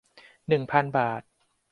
หนึ่งพัน บาท